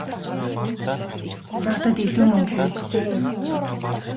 Надад илүү мөнгө хэрэггүй ээ.